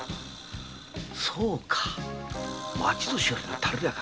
そうか町年寄の樽屋か。